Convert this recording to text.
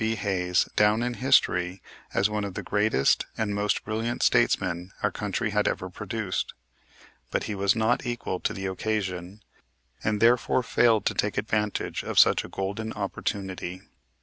B. Hayes down in history as one of the greatest and most brilliant statesmen our country had ever produced. But, he was not equal to the occasion, and therefore failed to take advantage of such a golden opportunity.